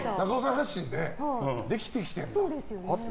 発信でできてきてる。